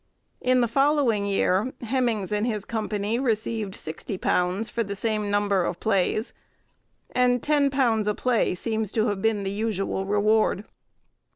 In the following year, Hemynges and his company received £60, for the same number of plays, and £10 a play seems to have been the usual reward.